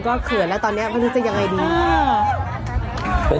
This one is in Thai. ข้างบนก็เขื่อนแล้วตอนนี้จะยังไงดี